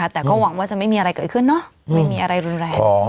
แต่ก็หวังว่าจะไม่มีอะไรเกิดขึ้นเนอะไม่มีอะไรรุนแรง